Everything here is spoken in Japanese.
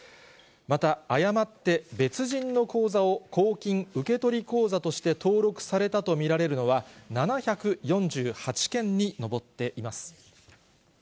また誤って別人の口座を公金受取口座として登録されたと見られるのは、７４８件に上っています。